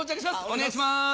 お願いします。